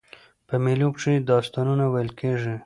په مېلو کښي داستانونه ویل کېږي.